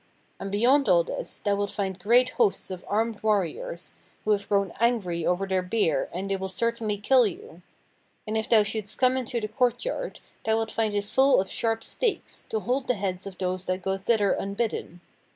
And beyond all this, thou wilt find great hosts of armed warriors, who have grown angry over their beer and they will certainly kill you. And if thou shouldst come into the courtyard, thou wilt find it full of sharp stakes, to hold the heads of those that go thither unbidden.